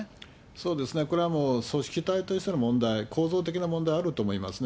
そうですね、これはもう、組織体としての問題、構造的な問題あると思いますね。